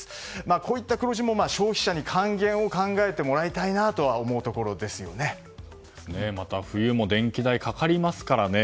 こういった黒字も消費者に還元を考えてもらいたいなとはまた、冬も電気代がかかりますからね。